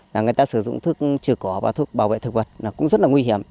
người ta sử dụng thức chủ cỏ và thức bảo vệ thực vật cũng rất là nguy hiểm